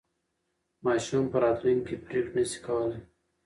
ماشوم په راتلونکي کې پرېکړې نه شي کولای.